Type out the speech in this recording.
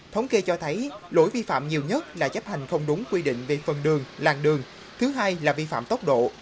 thống kê cho thấy lỗi vi phạm nhiều nhất là chấp hành không đúng quy định về phần đường làng đường thứ hai là vi phạm tốc độ